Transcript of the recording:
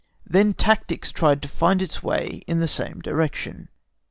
THEN TACTICS TRIED TO FIND ITS WAY IN THE SAME DIRECTION.